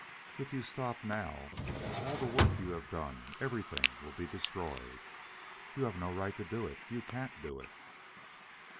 "If you stop now, all the work you have done, everything, will be destroyed. You have no right to do it. You can't do it."